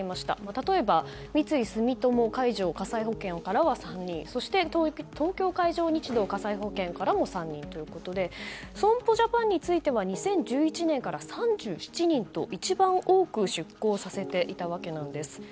例えば三井住友海上火災保険からは３人そして東京海上日動火災保険から３人ということで損保ジャパンについては２０１１年から３７人と一番多く出向させていたわけなんです。